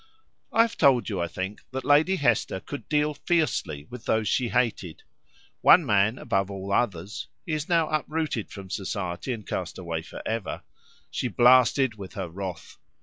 I have told you, I think, that Lady Hester could deal fiercely with those she hated. One man above all others (he is now uprooted from society, and cast away for ever) she blasted with her wrath.